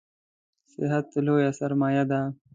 صحت لویه سرمایه ده